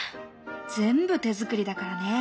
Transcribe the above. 全部手作りだからね。